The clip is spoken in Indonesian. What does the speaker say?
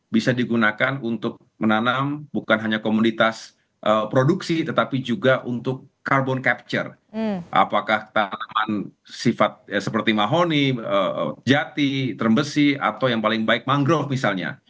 bisa digunakan untuk menanam bukan hanya komunitas produksi tetapi juga untuk carbon capture apakah tanaman sifat seperti mahoni jati termbesi atau yang paling baik mangrove misalnya